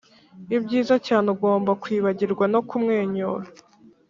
ibyiza cyane ugomba kwibagirwa no kumwenyura